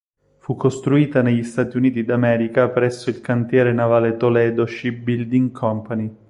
Fu costruita negli Stati Uniti d'America presso il cantiere navale Toledo Shipbuilding Co.